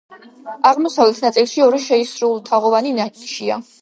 აღმოსავლეთ ნაწილში, ორი შეისრულთაღოვანი ნიშაა.